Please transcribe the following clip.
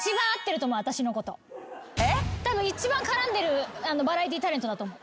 たぶん一番絡んでるバラエティータレントだと思う。